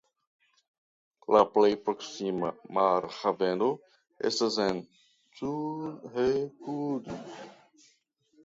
La plej proksima marhaveno estas en Thoothukudi.